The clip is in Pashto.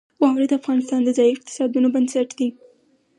واوره د افغانستان د ځایي اقتصادونو بنسټ دی.